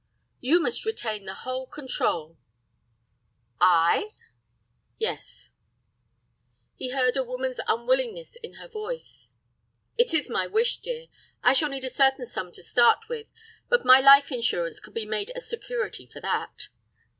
"You must retain the whole control." "I?" "Yes." He heard a woman's unwillingness in her voice. "It is my wish, dear. I shall need a certain sum to start with, but my life insurance can be made a security for that."